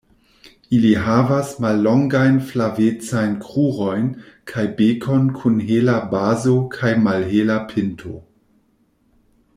Ili havas mallongajn flavecajn krurojn kaj bekon kun hela bazo kaj malhela pinto.